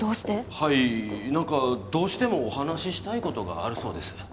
はい何かどうしてもお話ししたいことがあるそうです